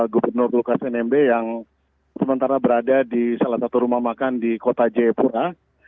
gubernur lukas nmb yang sementara berada di salah satu rumah makan di kota jayapura